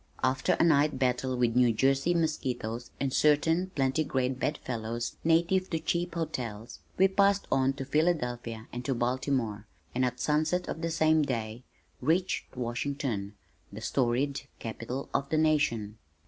After a night battle with New Jersey mosquitoes and certain plantigrade bed fellows native to cheap hotels, we passed on to Philadelphia and to Baltimore, and at sunset of the same day reached Washington, the storied capital of the nation.